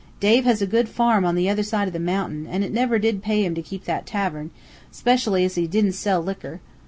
Dave has a good farm on the other side o' the mountain, an' it never did pay him to keep that tavern, 'specially as he didn't sell liquor.